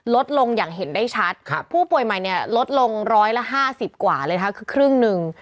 ลดลงอย่างเห็นได้ชัดผู้ป่วยใหม่เนี่ยลดลงร้อยละ๕๐กว่าเลยนะคะคือครึ่งหนึ่ง